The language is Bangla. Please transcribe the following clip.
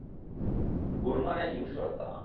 গুরু মানে হিংস্রতা!